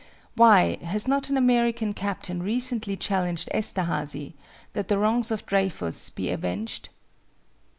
Why, has not an American captain recently challenged Esterhazy, that the wrongs of Dreyfus be avenged?